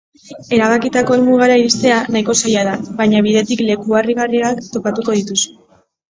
Erabakitako helmugara iristea nahiko zaila da, baina bidetik leku harrigarriak topatuko dituzu.